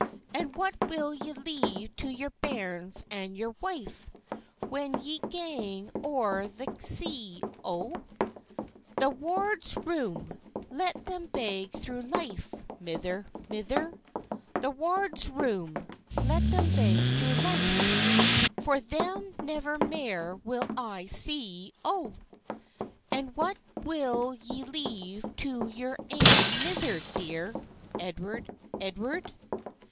And what will ye leave to your bairns and your wife, When ye gang ower the sea, O?" "The warld's room: let them beg through life, Mither, mither; The warld's room: let them beg through life; For them never mair will I see, O." "And what will ye leave to your ain mither dear, Edward, Edward?